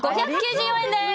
５９４円です。